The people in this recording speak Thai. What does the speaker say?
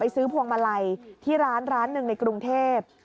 ซื้อพวงมาลัยที่ร้านร้านหนึ่งในกรุงเทพ